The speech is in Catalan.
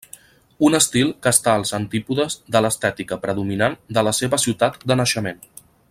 Un estil que està als antípodes de l'estètica predominant de la seva ciutat de naixement.